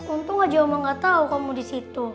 untung aja oma gak tau kamu disitu